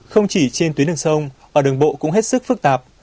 không chỉ trên tuyến đường sông ở đường bộ cũng hết sức phức tạp